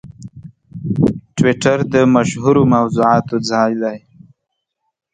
ټویټر د مشهورو موضوعاتو ځای دی.